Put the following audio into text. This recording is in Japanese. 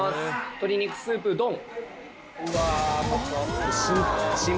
鶏肉スープドン！